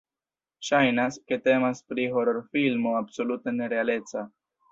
Ŝajnas, ke temas pri hororfilmo absolute ne-realeca.